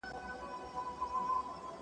ساینس د ژوند کیفیت ښه کوي.